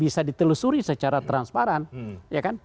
bisa ditelusuri secara transparan